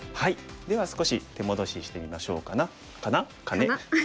では少し手戻ししてみましょうかな。かな？かね。